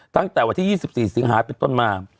ตั้งแต่วันที่๒๔สิงหาเป็นต้นมา